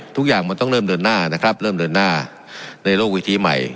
ทุกอย่างมันต้องเริ่มเดินหน้านะครับเริ่มเดินหน้าในโลกวิธีใหม่